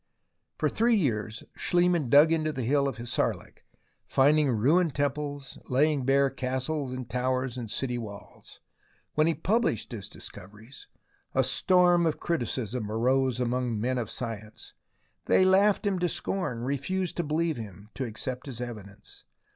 For three years Schliemann dug into the Hill of Hissarlik, finding ruined temples, laying bare castles and towers and city walls. When he pub lished his discoveries, a storm of criticism arose among men of science. They laughed him to scorn, refused to believe him, to accept his evidence.